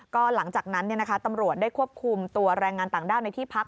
ก็หลังจากนั้นตำรวจได้ควบคุมตัวแรงงานต่างด้าวในที่พัก